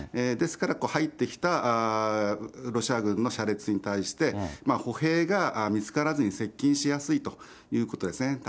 ですから、入ってきたロシア軍の車列に対して、歩兵が見つからずに接近しやすいということですね。